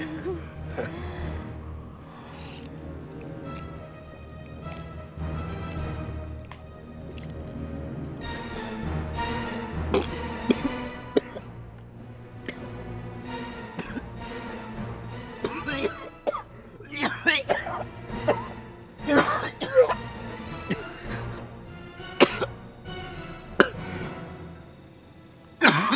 air kelapa ini punyainctral